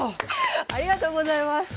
ありがとうございます。